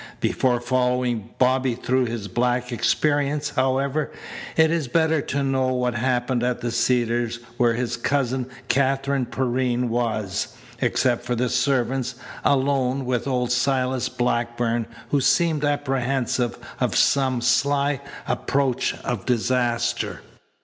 Before following Bobby through his black experience, however, it is better to know what happened at the Cedars where his cousin, Katherine Perrine was, except for the servants, alone with old Silas Blackburn who seemed apprehensive of some sly approach of disaster.